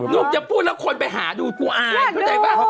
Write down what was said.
ลูกจะพูดแล้วคนไปหาดูกูอาย